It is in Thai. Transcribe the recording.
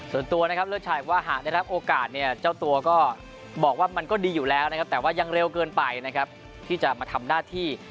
ส่วนตัวนะครับเลิศชายบอกว่าหากได้รับโอกาสเนี่ยเจ้าตัวก็บอกว่ามันก็ดีอยู่แล้วนะครับแต่ว่ายังเร็วเกินไปนะครับที่จะมาทำหน้าที่